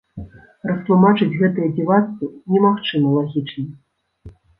Растлумачыць гэтыя дзівацтвы немагчыма лагічна.